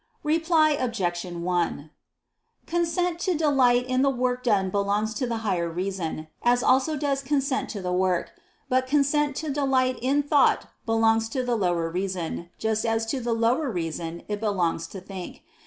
Reply Obj. 1: Consent to delight in the work done belongs to the higher reason, as also does consent to the work; but consent to delight in thought belongs to the lower reason, just as to the lower reason it belongs to think.